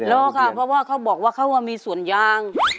รอค่ะเพราะว่าเขาบอกว่าเขามีสวนยาง